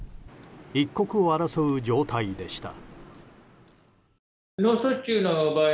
一刻を争う状態でした。